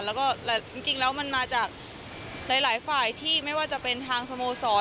แล้วก็จริงแล้วมันมาจากหลายฝ่ายที่ไม่ว่าจะเป็นทางสโมสร